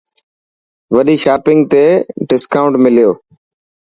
وڏي شاپنگ تي دسڪائونٽ مليو.